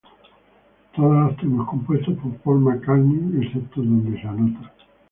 Todos los temas compuestos por Paul McCartney excepto donde se anota.